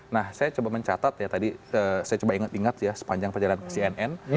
nah saya coba mencatat ya tadi saya coba ingat ingat ya sepanjang perjalanan ke cnn